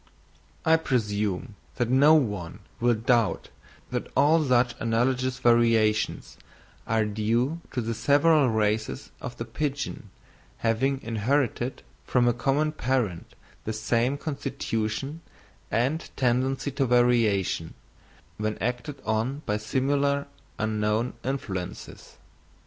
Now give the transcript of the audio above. I presume that no one will doubt that all such analogous variations are due to the several races of the pigeon having inherited from a common parent the same constitution and tendency to variation, when acted on by similar unknown influences.